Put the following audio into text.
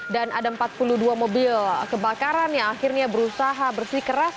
dan ada empat puluh dua mobil kebakaran yang akhirnya berusaha bersih keras